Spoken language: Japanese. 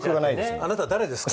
あなた誰ですか？